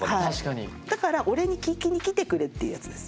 だから「俺に聞きに来てくれ」っていうやつです。